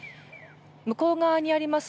向こう側にあります